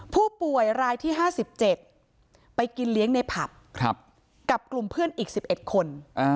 ผู้ป่วยรายที่๕๗ไปกินเลี้ยงในผับกับกลุ่มเพื่อนอีก๑๑คน